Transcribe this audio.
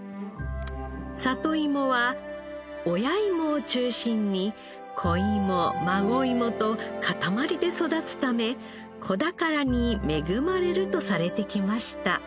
里いもは親いもを中心に子いも孫いもと塊で育つため子宝に恵まれるとされてきました。